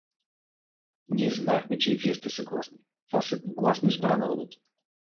— Ние знаехме, че и вие сте съгласни… — Вас едногласно избра народът!